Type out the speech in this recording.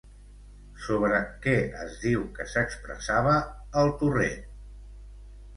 Sobre què es diu que s'expressava, el torrent?